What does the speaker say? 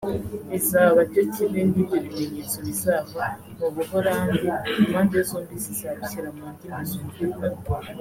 Bizaba cyo kimwe n’ibyo bimenyetso bizava mu Buholande impande zombi zizabishyira mu ndimi zumvikana